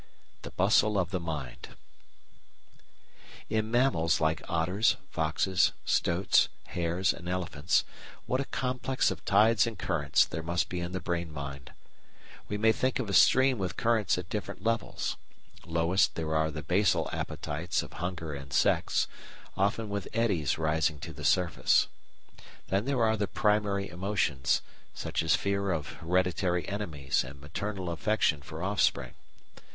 The Bustle of the Mind In mammals like otters, foxes, stoats, hares, and elephants, what a complex of tides and currents there must be in the brain mind! We may think of a stream with currents at different levels. Lowest there are the basal appetites of hunger and sex, often with eddies rising to the surface. Then there are the primary emotions, such as fear of hereditary enemies and maternal affection for offspring.